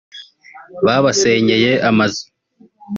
babasenyeye amazu